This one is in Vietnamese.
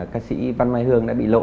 các sĩ văn mai hương đã bị lộ